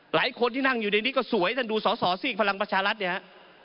หลายคนที่นั่งอยู่ในนี้ก็สวยท่านดูสอสอสิพลังประชารัฐเนี่ยฮะ